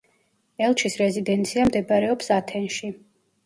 ელჩის რეზიდენცია მდებარეობს ათენში.